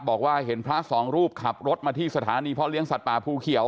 บอกว่าเห็นพระสองรูปขับรถมาที่สถานีพ่อเลี้ยสัตว์ป่าภูเขียว